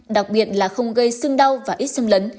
đặc biệt là không gây sưng đau và ít xâm lấn